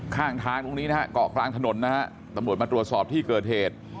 ข้างทางตรงนี้นะฮะเกาะกลางถนนนะฮะตำรวจมาตรวจสอบที่เกิดเหตุ